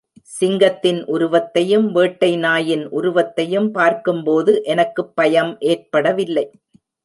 சிங்கத்தின் உருவத்தையும், வேட்டை நாயின் உருவத்தையும் பார்க்கும்போது எனக்குப் பயம் ஏற்படவில்லை.